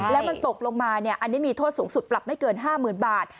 แล้วมันตกลงมาอันนี้มีโทษสูงสุดปรับไม่เกิน๕๐๐๐บาท